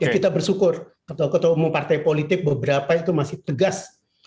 kita bersyukur ketua umum partai politik beberapa itu masih tegas